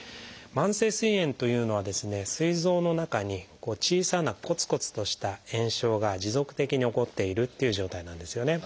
慢性すい炎というのはすい臓の中に小さなコツコツとした炎症が持続的に起こっているという状態なんですよね。